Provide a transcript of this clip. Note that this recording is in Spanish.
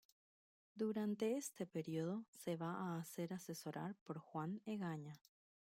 Durante este período se va a hacer asesorar por Juan Egaña.